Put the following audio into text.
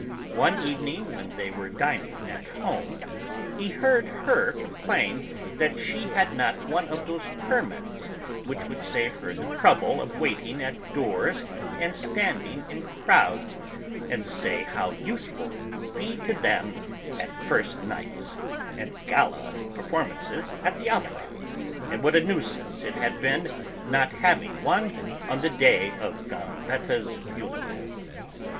One evening, when they were dining at home, he heard her complain that she had not one of those permits which would save her the trouble of waiting at doors and standing in crowds, and say how useful it would be to them at first nights, and gala performances at the Opera, and what a nuisance it had been, not having one, on the day of Gambetta's funeral.